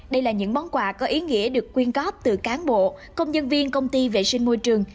đây là những món quà có ý nghĩa được quyên góp từ cán bộ công nhân viên công ty vệ sinh môi trường